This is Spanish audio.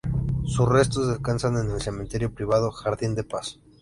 Sus restos descansan en el Cementerio privado Jardín de Paz.